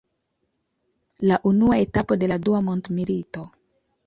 La unua etapo de la dua mondmilito.